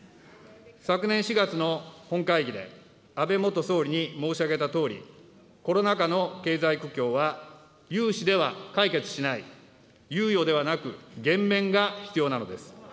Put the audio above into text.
昨年４月の本会議で、安倍元総理に申し上げたとおり、コロナ禍の経済苦境は融資では解決しない、猶予ではなく、減免が必要なのです。